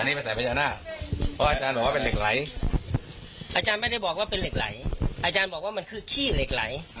นี่เป็นสายพญานาคเพราะอาจารย์บอกว่าเป็นเหล็กไหลอาจารย์ไม่ได้บอกว่าเป็นเหล็กไหลอาจารย์บอกว่ามันคือขี้เหล็กไหล